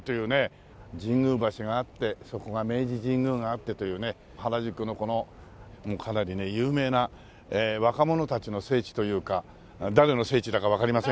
神宮橋があってそこが明治神宮があってというね原宿のこのかなり有名な若者たちの聖地というか誰の聖地だかわかりませんけども。